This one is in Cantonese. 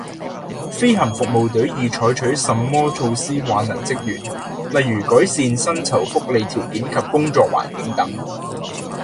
飛行服務隊已採取甚麼措施挽留職員，例如改善薪酬福利條件及工作環境等